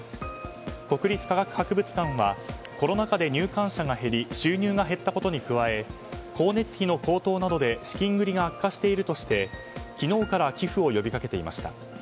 国立科学博物館はコロナ禍で入館者が減り収入が減ったことに加え光熱費の高騰などで資金繰りが悪化しているとして昨日から寄付を呼び掛けていました。